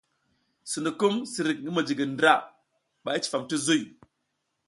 Sinukum sirik ngi midigindra ba i cifam ti zuy.